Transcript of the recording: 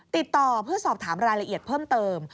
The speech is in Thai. ติดต่อเพื่อสอบถามรายละเอียดเพิ่มเติม